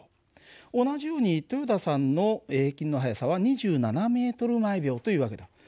同じように豊田さんの平均の速さは２７ｍ／ｓという訳だ。